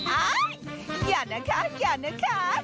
อ้าวอย่านะคะอย่านะคะ